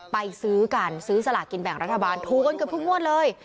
ไปซื้อกันซื้อสลากินแบ่งรัฐบาลถูกกันเกือบทุกงวดเลย